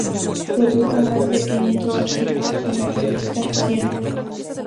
Produjo más de quinientos artículos en la revista "¡Siempre!".